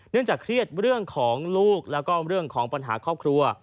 จากเครียดเรื่องของลูกแล้วก็เรื่องของปัญหาครอบครัว